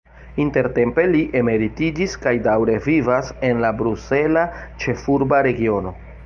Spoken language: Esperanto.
Intertempe li emeritiĝis kaj daŭre vivas en la Brusela Ĉefurba Regiono.